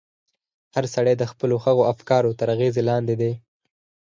هر سړی د خپلو هغو افکارو تر اغېز لاندې دی.